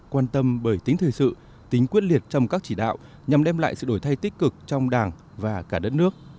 quan tâm bởi tính thời sự tính quyết liệt trong các chỉ đạo nhằm đem lại sự đổi thay tích cực trong đảng và cả đất nước